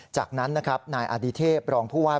จากนั้นนะครับนายอดิเทพรองผู้ว่า